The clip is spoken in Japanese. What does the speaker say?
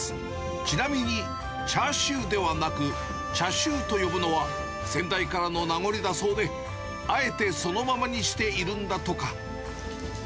ちなみにチャーシューではなく、チャシューと呼ぶのは、先代からの名残だそうで、あえてそのままにしているんだとか。